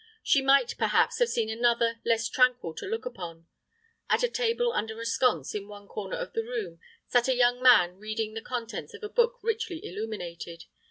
She might, perhaps, have seen another, less tranquil to look upon. At a table under a sconce, in one corner of the room, sat a young man reading the contents of a book richly illuminated.